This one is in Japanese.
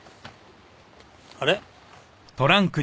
あれ？